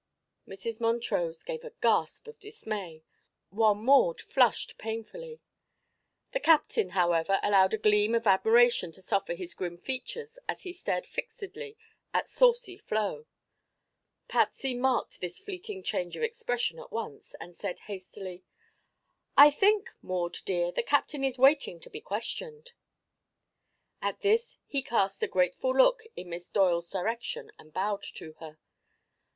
Mrs. Montrose gave a gasp of dismay, while Maud flushed painfully. The captain, however, allowed a gleam of admiration to soften his grim features as he stared fixedly at saucy Flo. Patsy marked this fleeting change of expression at once and said hastily: "I think. Maud, dear, the captain is waiting to be questioned." At this he cast a grateful look in Miss Doyle's direction and bowed to her.